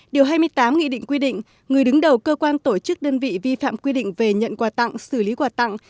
điều hai mươi tám nghị định quy định người đứng đầu cơ quan tổ chức đơn vị vi phạm quy định về nhận quà tặng xử lý quà tặng